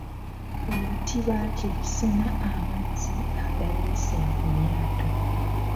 Olutiba kye kisena amazzi agayiise mu lyato.